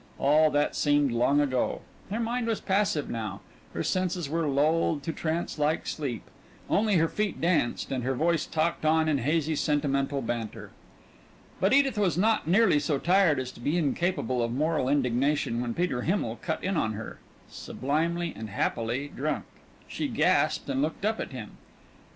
All that seemed long ago; her mind was passive now, her senses were lulled to trance like sleep; only her feet danced and her voice talked on in hazy sentimental banter. But Edith was not nearly so tired as to be incapable of moral indignation when Peter Himmel cut in on her, sublimely and happily drunk. She gasped and looked up at him.